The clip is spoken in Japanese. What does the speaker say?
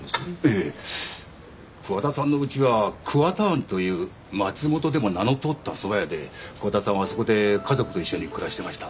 ええ桑田さんのうちは「桑田庵」という松本でも名の通ったそば屋で桑田さんはそこで家族と一緒に暮らしてました